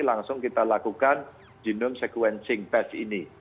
langsung kita lakukan genome sequencing test ini